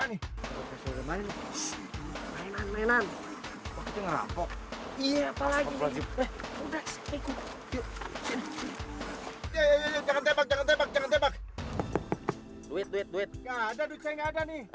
nggak ada duit saya nggak ada nih